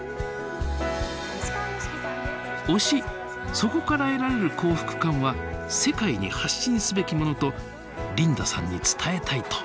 推しそこから得られる幸福感は世界に発信すべきものとリンダさんに伝えたいといいます。